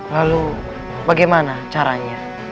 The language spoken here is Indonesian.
lalu bagaimana caranya